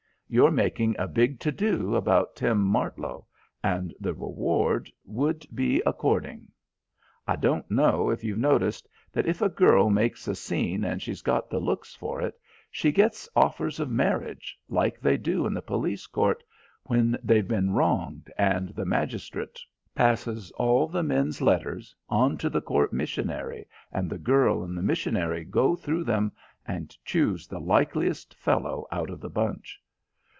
You're making a big to do about Tim Martlow and the reward would be according. I don't know if you've noticed that if a girl makes a scene and she's got the looks for it, she gets offers of marriage, like they do in the police court when they've been wronged and the magistrate passes all the men's letters on to the court missionary and the girl and the missionary go through them and choose the likeliest fellow out of the bunch?"